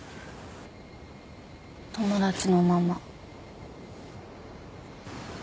友達のまま。